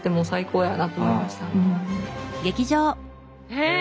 へえ！